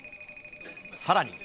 さらに。